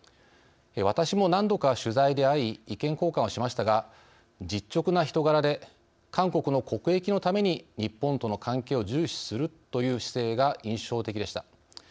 私も何度か取材で会い意見交換をしましたが実直な人柄で韓国の国益のために日本との関係を重視するという姿勢が印象的でした。